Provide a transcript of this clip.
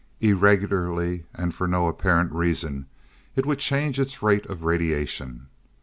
Irregularly, and for no apparent reason it would change its rate of radiation.